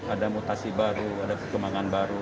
ada mutasi baru ada perkembangan baru